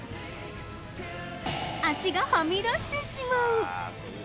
足がはみ出してしまう。